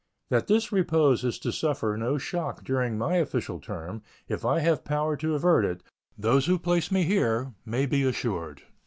That this repose is to suffer no shock during my official term, if I have power to avert it, those who placed me here may be assured.